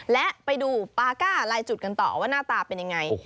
และไปดูปาก้าลายจุดกันต่อว่าหน้าตาเป็นยังไง